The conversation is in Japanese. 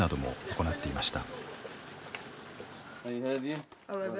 行っていました。